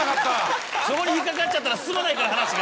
そこに引っ掛かっちゃったら進まないから話が。